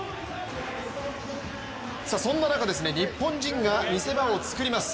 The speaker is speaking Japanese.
そんな中、日本人が見せ場を作ります。